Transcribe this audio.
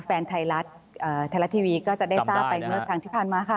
แฟนไทยรัฐไทยรัฐทีวีก็จะได้ทราบไปเมื่อครั้งที่ผ่านมาค่ะ